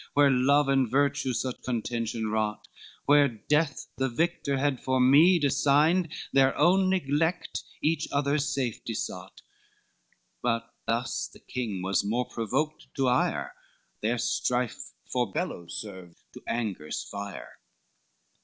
Where love and virtue such contention wrought, Where death the victor had for meed assigned; Their own neglect, each other's safety sought; But thus the king was more provoked to ire, Their strife for bellows served to anger's fire.